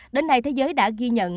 đến nay thế giới đã ghi nhận